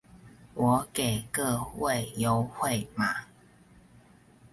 我給各位優惠碼